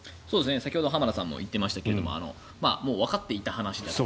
先ほど浜田さんも言っていましたがもうわかっていた話だと。